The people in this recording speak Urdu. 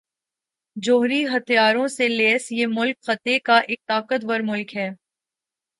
جوہری ہتھیاروں سے لیس یہ ملک خطے کا ایک طاقتور ملک ہے